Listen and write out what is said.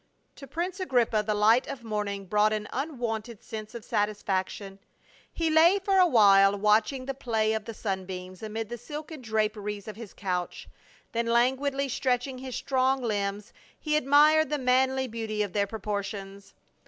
To prince Agrippa the light of morning brought an unwonted sense of satisfaction. He lay for awhile watching the play of the sunbeams amid the silken draperies of his couch, then languidly stretching his strong limbs he admired the manly beauty of their proportions.